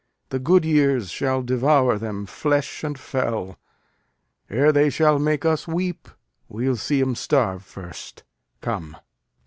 The goodyears shall devour 'em, flesh and fell, Ere they shall make us weep! We'll see 'em starv'd first. Come.